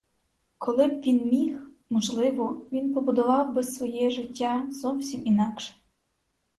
Коли б він міг, можливо, він побудував би своє життя зовсім інакше.